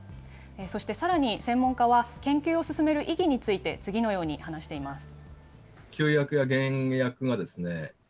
そしてさらに専門家は、研究を進める意義について、次のように話しています。